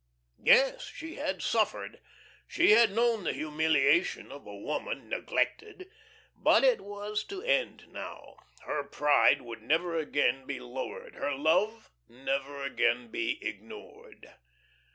Yes, she had suffered, she had known the humiliation of a woman neglected. But it was to end now; her pride would never again be lowered, her love never again be ignored.